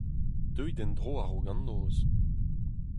Deuit en-dro a-raok an noz…